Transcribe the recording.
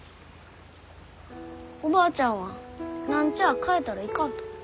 おばあちゃんは何ちゃあ変えたらいかんと。